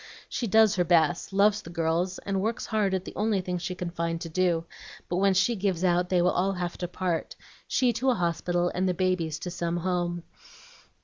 She does her best, loves the girls, and works hard at the only thing she can find to do; but when she gives out, they will all have to part, she to a hospital, and the babies to some home.